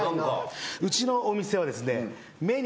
うちのお店はですね。